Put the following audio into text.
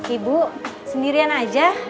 ibu sendirian aja